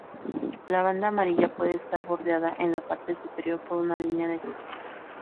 La banda amarilla puede estar bordeada en la parte superior por una línea negruzca.